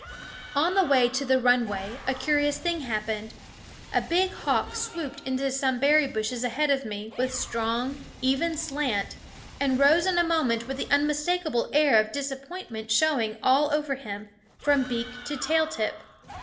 On the way to the runway a curious thing happened. A big hawk swooped into some berry bushes ahead of me with strong, even slant, and rose in a moment with the unmistakable air of disappointment showing all over him, from beak to tail tip.